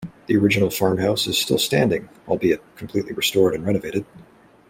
The original farmhouse is still standing albeit completely restored and renovated.